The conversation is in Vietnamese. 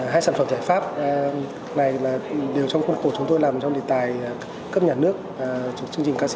hai sản phẩm giải pháp này đều trong khuôn khổ chúng tôi làm trong đề tài cấp nhà nước chương trình kc một nghìn sáu trăm hai mươi